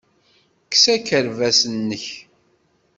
Kkes akerbas-nnek.